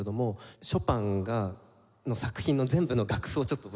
ショパンの作品の全部の楽譜をちょっと